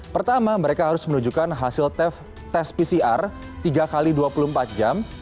pertama mereka harus menunjukkan hasil tes pcr tiga x dua puluh empat jam